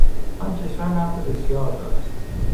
آن کشور نفت بسیار دارد.